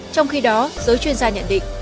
trong khi đó giới chuyên gia nhận định